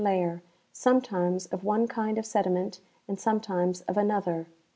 87 layer, sometimes of one kind of sediment and sometimes of another.